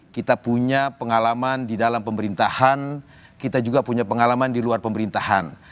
kita punya pengalaman di dalam pemerintahan kita juga punya pengalaman di luar pemerintahan